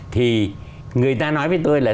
thì người ta nói với tôi là